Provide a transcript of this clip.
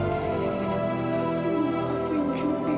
terima kasih bu